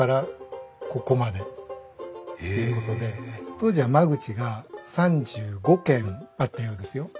当時は間口が３５間あったようですよ。